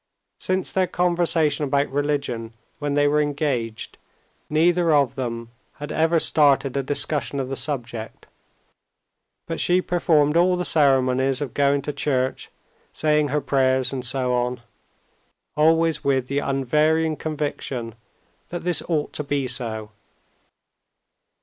Since their conversation about religion when they were engaged neither of them had ever started a discussion of the subject, but she performed all the ceremonies of going to church, saying her prayers, and so on, always with the unvarying conviction that this ought to be so.